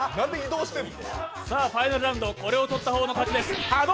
ファイナルラウンド、これを取った方が勝ちです。